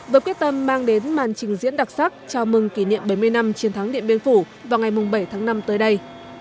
với quyết tâm mang đến màn trình diễn đặc sắc chào mừng kỷ niệm bảy mươi năm chiến thắng điện biên phủ vào ngày bảy tháng năm tới đây